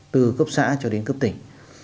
từ cấp xã cho đến cấp tỉnh